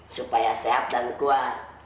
supaya sehat dan kuat